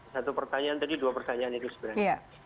satu pertanyaan tadi dua pertanyaan itu sebenarnya